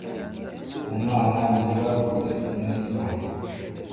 umwana wibarutse mwiza